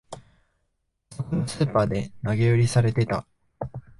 あそこのスーパーで投げ売りされてた